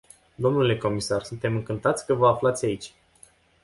Dle comisar, suntem încântați că vă aflați aici.